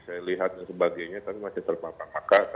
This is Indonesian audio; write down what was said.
dan sebagainya tapi masih terpapar